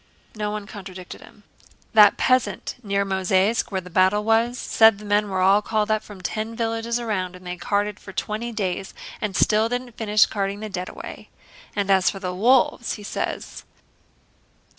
No one contradicted him. "That peasant near Mozháysk where the battle was said the men were all called up from ten villages around and they carted for twenty days and still didn't finish carting the dead away. And as for the wolves, he says..."